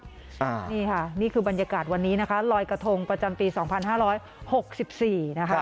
นี่ค่ะนี่คือบรรยากาศวันนี้นะคะลอยกระทงประจำปี๒๕๖๔นะคะ